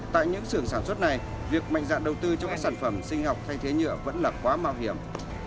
tại những sưởng sản xuất này việc mạnh dạn đầu tư cho các sản phẩm sinh học thay thế nhựa vẫn là quá mạo hiểm